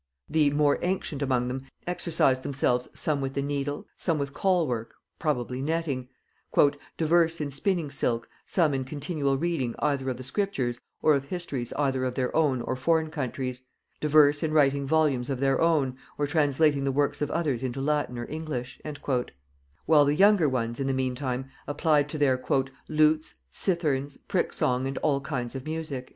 The "more ancient" among them exercised themselves some with the needle, some with "caul work," (probably netting) "divers in spinningsilk, some in continual reading either of the Scriptures or of histories either of their own or foreign countries; divers in writing volumes of their own, or translating the works of others into Latin or English;" while the younger ones in the meantime applied to their "lutes, citharnes, pricksong and all kinds of music."